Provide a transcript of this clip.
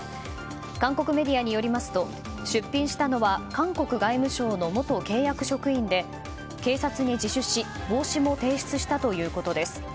韓国メディアによりますと出品したのは韓国外務省の元契約職員で警察に自首し帽子も提出したということです。